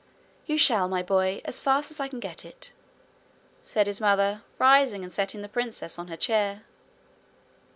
'You shall, my boy as fast as I can get it,' said his mother, rising and setting the princess on her chair.